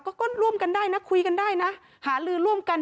ก็ร่วมกันได้นะคุยกันได้นะหาลือร่วมกัน